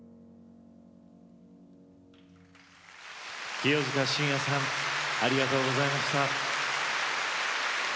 清塚信也さんありがとうございました。